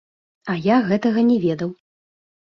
А я гэтага не ведаў!